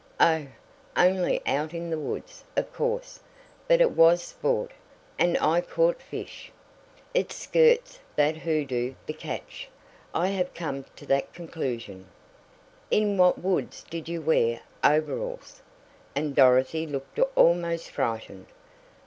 Oh, only out in the woods, of course, but it was sport, and I caught fish! It's skirts that hoodoo the catch. I have come to that conclusion." "In what woods did you wear overalls?" and Dorothy looked almost frightened.